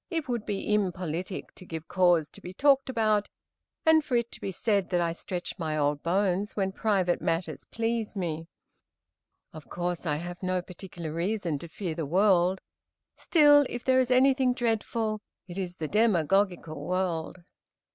It would be impolitic to give cause to be talked about, and for it to be said that I stretch my old bones when private matters please me. Of course, I have no particular reason to fear the world; still, if there is anything dreadful, it is the demagogical world.